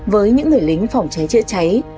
với những người lính phòng cháy chữa cháy